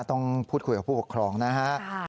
ต้องพูดคุยกับผู้ปกครองนะฮะ